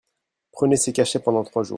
Prenez ces cachets pendant trois jours.